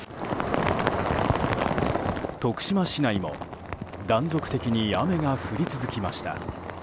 徳島市内も断続的に雨が降り続きました。